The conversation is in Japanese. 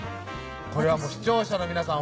これは視聴者の皆さん